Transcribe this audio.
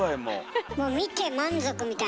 もう見て満足みたいな。